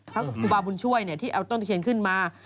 ครับกุบาบุญช่วยเนี่ยที่เอาต้นตะเคียนขึ้นมา